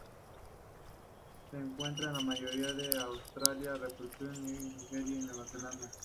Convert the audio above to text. Se encuentra la mayoría en Australia, Papúa Nueva Guinea y Nueva Zelanda.